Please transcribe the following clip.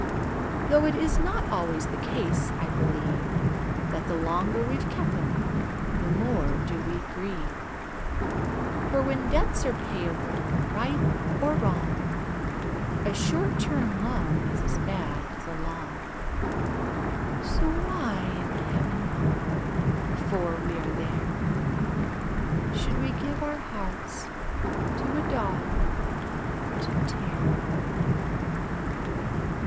Though it is not always the case, I believe, That the longer we've kept 'em, the more do we grieve: For, when debts are payable, right or wrong, A short time loan is as bad as a long So why in Heaven (before we are there) Should we give our hearts to a dog to tear?